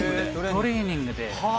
トレーニングで。